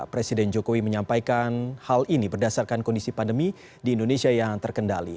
presiden jokowi menyampaikan hal ini berdasarkan kondisi pandemi di indonesia yang terkendali